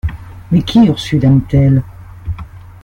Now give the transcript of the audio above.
Mais qui Ursule aime-t-elle?